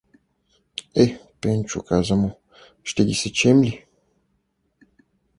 — Е, Пенчо — каза му, — ще ги сечем ли?